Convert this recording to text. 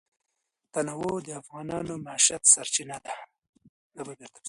تنوع د افغانانو د معیشت سرچینه ده.